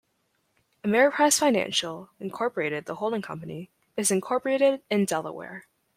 Ameriprise Financial, Incorporated the holding company, is incorporated in Delaware.